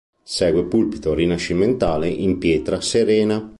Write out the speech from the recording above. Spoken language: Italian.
Segue pulpito rinascimentale in pietra serena.